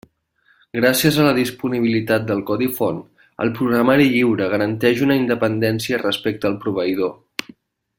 Gràcies a la disponibilitat del codi font, el programari lliure garanteix una independència respecte al proveïdor.